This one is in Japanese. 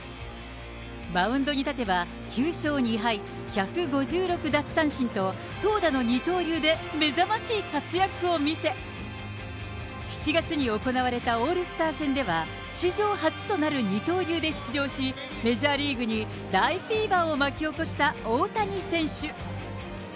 マウンドに立てば、９勝２敗、１５６奪三振の投打の二刀流で目覚ましい活躍を見せ、７月に行われたオールスター戦では、史上初となる二刀流で出場し、メジャーリーグに大フィーバーを巻き起こした大谷選手。